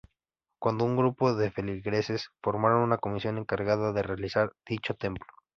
Cuando un grupo de feligreses formaron una comisión encargada de realizar dicho templo.